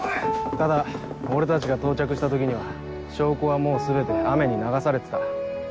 ただ俺たちが到着した時には証拠はもう全て雨に流されてた。